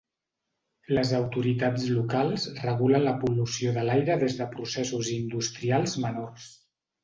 Les autoritats locals regulen la pol·lució de l'aire des de processos industrials menors.